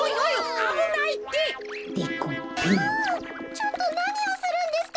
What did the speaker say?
ちょっとなにをするんですか！？